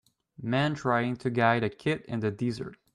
Man trying to guide a kit in the desert.